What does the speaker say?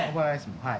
はい。